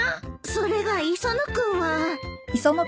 それが磯野君は。